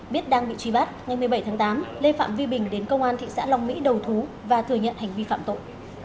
biết đang bị truy bắt ngày một mươi bảy tháng tám lê phạm vi bình đến công an thị xã long mỹ đầu thú và thừa nhận hành vi phạm tội